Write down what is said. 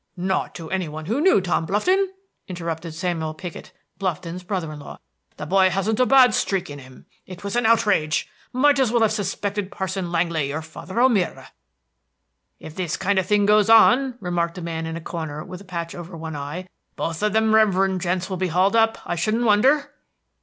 "Not to anybody who knew Tom Blufton," interrupted Samuel Piggott, Blufton's brother in law. "The boy hasn't a bad streak in him. It was an outrage. Might as well have suspected Parson Langly or Father O'Meara." "If this kind of thing goes on," remarked a man in the corner with a patch over one eye, "both of them reverend gents will be hauled up, I shouldn't wonder."